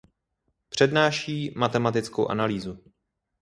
Přednáší matematickou analýzu.